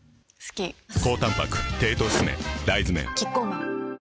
大豆麺キッコーマン